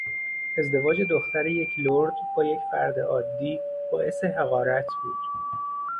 ازدواج دختر یک لرد با یک فرد عادی باعث حقارت بود.